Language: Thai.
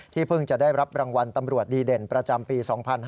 เพิ่งจะได้รับรางวัลตำรวจดีเด่นประจำปี๒๕๕๙